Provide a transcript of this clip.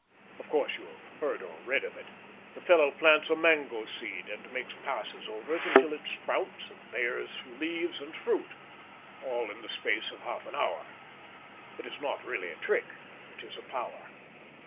Of course you have heard or read of it. The fellow plants a mango seed, and makes passes over it until it sprouts and bears leaves and fruit all in the space of half an hour. It is not really a trick it is a power.